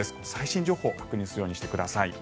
最新情報を確認するようにしてください。